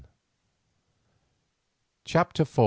CHAPTER IV.